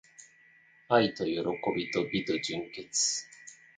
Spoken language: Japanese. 愛と喜びと美と純潔